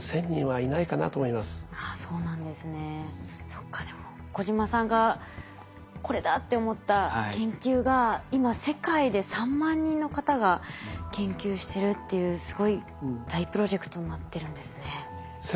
そっかでも小島さんがこれだって思った研究が今世界で３万人の方が研究してるっていうすごい大プロジェクトになってるんですね。